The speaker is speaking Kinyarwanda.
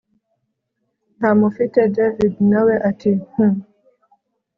ntamufite david nawe ati hhm